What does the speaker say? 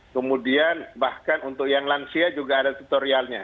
kemudian bahkan untuk yang lansia juga ada tutorialnya